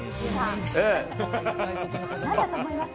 何だと思います？